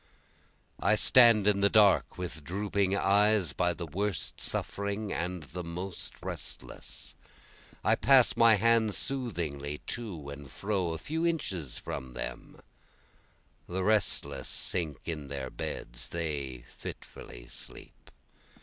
I stand in the dark with drooping eyes by the worst suffering and the most restless, I pass my hands soothingly to and fro a few inches from them, The restless sink in their beds, they fitfully sleep.